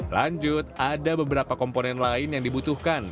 lanjut ada beberapa komponen lain yang dibutuhkan